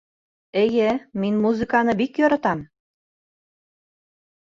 Эйе, мин музыканы бик яратам.